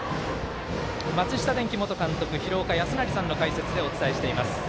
松下電器元監督、廣岡資生さんの解説でお伝えしています。